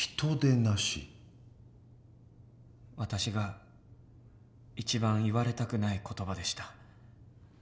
私が一番言われたくない言葉でした。